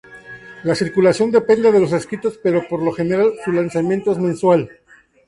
La circulación depende de los escritos pero, por lo general, su lanzamiento es mensual.